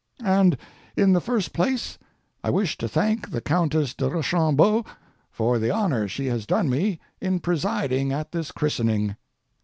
And, in the first place, I wish to thank the Countess de Rochambeau for the honor she has done me in presiding at this christening.